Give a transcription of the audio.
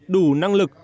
đủ năng lực